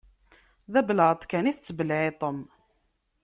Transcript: D abelεeṭ kan i tettbelεiṭem.